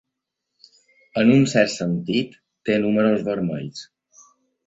En un cert sentit, té números vermells.